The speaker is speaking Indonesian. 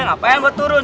ngapain gue turun